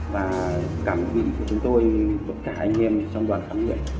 và cả quý vị của chúng tôi cả anh em trong đoàn khám luyện